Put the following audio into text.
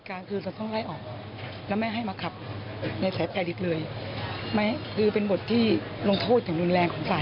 ก็คือถามเขาคือเป็นคนขับใหม่ด้วยนะครับ